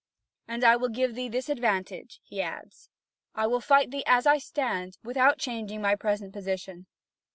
"And I will give thee this advantage," he adds: "I will fight thee as I stand, without changing my present position."